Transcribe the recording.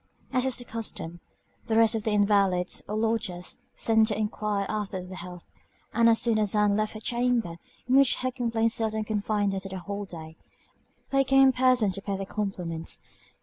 As is the custom, the rest of the invalids, or lodgers, sent to enquire after their health; and as soon as Ann left her chamber, in which her complaints seldom confined her the whole day, they came in person to pay their compliments.